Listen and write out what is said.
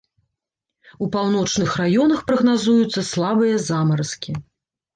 У паўночных раёнах прагназуюцца слабыя замаразкі.